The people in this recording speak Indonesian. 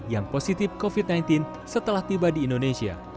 yang positif covid sembilan belas setelah tiba di indonesia